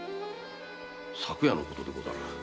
昨夜のことでござる。